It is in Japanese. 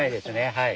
はい。